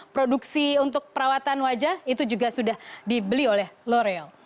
produksi untuk perawatan wajah itu juga sudah dibeli oleh lorel